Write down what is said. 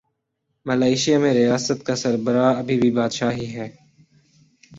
Malaysia میں ریاست کا سربراہ اب بھی بادشاہ ہی ہے۔